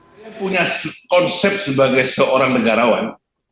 saya punya konsep sebagai seorang negarawan